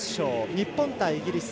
日本対イギリス。